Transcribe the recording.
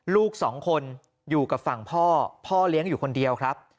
ลูกสองคนอยู่กับฝั่งพ่อพ่อเลี้ยงอยู่คนเดียวครับ